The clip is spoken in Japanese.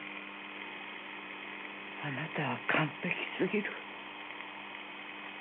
あなたは完璧過ぎる。